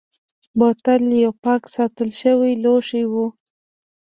بوتل یو پاک ساتل شوی لوښی وي.